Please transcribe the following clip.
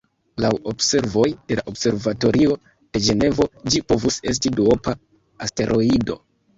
Laŭ observoj de la Observatorio de Ĝenevo, ĝi povus esti duopa asteroido.